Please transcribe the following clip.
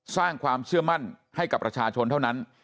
สร้างความเชื่อมั่นให้กับประชาชนเท่านั้น